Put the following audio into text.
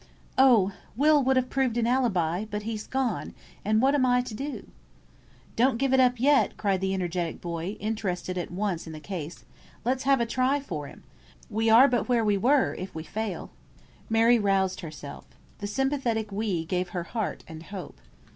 "Oh! Will would have proved an alibi, but he's gone, and what am I to do?" "Don't give it up yet," cried the energetic boy, interested at once in the case; "let's have a try for him. We are but where we were if we fail." Mary roused herself. The sympathetic "we" gave her heart and hope.